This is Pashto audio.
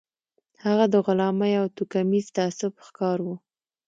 هغه د غلامۍ او توکميز تعصب ښکار و.